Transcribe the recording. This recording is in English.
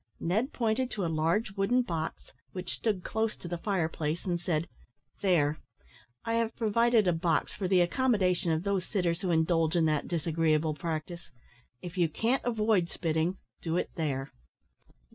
Ned pointed to a large wooden box which stood close to the fire place, and said, "There I have provided a box for the accommodation of those sitters who indulge in that disagreeable practice. If you can't avoid spitting, do it there."